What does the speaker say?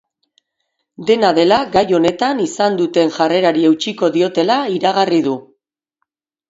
Dena dela, gai honetan izan duten jarrerari eutsiko diotela iragarri du.